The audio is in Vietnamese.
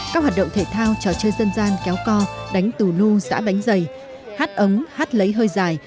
các hoạt động thể thao trò chơi dân gian kéo co đánh tù nu xã bánh giày hát ấm hát lấy hơi dài